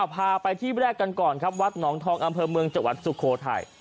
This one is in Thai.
พาไปที่แรกกันก่อนครับวัดหนองทองอำเภอเมืองจังหวัดสุโขทัย